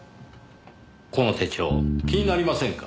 この手帳気になりませんか？